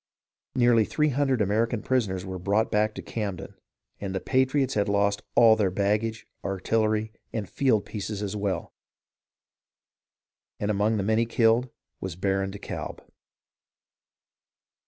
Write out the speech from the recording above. Nearly three hundred American prisoners were brought back to Camden, and the patriots had lost all their bag gage, artillery, and field pieces as well ; and among the many killed was Baron de Kalb.